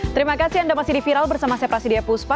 terima kasih anda masih di viral bersama saya prasidya puspa